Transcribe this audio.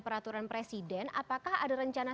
peraturan presiden apakah ada rencana